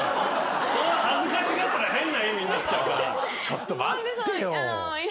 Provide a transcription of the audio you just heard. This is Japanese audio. ちょっと待ってよ。